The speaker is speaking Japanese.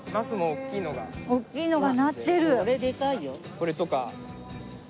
これとか。